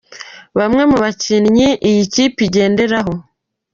Bamwe mu bakinnyi iyi kipe igenderaho:.